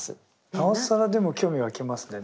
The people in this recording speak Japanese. なおさらでも興味湧きますね。